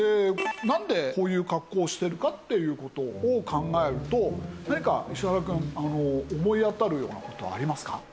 なんでこういう格好をしてるかっていう事を考えると何か石原くん思い当たるような事ありますか？